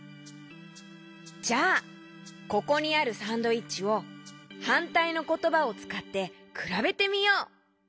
じゃあここにあるサンドイッチをはんたいのことばをつかってくらべてみよう！